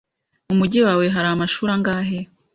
Mu mujyi wawe hari amashuri angahe?